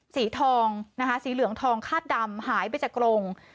สีทองนะคะสีเหลืองทองคาดดำหายไปจากกรง